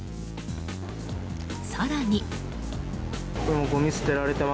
更に。